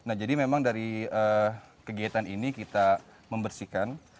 nah jadi memang dari kegiatan ini kita membersihkan